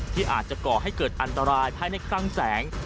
ที่อาจจะก่อให้เกิดอันตรายภายในคลังแสง